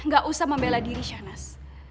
gak usah membela diri shanas